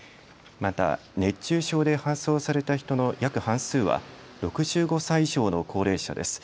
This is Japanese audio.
また、熱中症で搬送された人の約半数は６５歳以上の高齢者です。